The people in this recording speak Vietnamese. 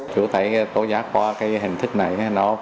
chủ tải tố giác qua hình thức này